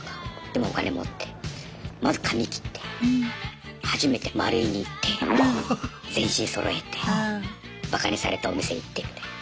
でもうお金持ってまず髪切って初めてマルイに行って全身そろえてバカにされたお店行ってみたいな。